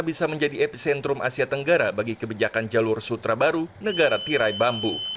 bisa menjadi epicentrum asia tenggara bagi kebijakan jalur sutra baru negara tirai bambu